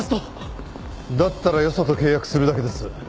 だったらよそと契約するだけです